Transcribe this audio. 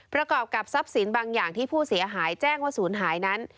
ประกอบกับทรัพย์สินบางอย่างที่ผู้เสียหายแจ้งว่าศูนย์หายนั้น